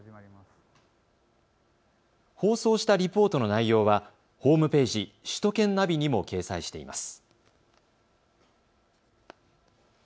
放送したリポートの内容はホームページ、首都圏ナビにも掲載しています。